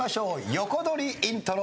横取りイントロ。